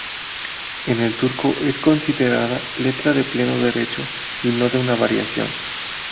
En el turco es considerada letra de pleno derecho y no una variación.